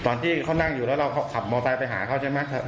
ตอนที่เขานั่งอยู่แล้วเราขับมอไซค์ไปหาเขาใช่ไหม